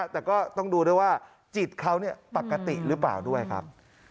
แต่ก็ต้องดูด้วยว่าจิตเขาปกติหรือเปล่าด้วยครับ